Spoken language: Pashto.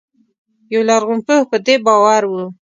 یو لرغونپوه په دې باور و.